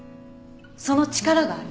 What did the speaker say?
その力がある。